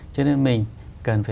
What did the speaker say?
cho nên mình cần phải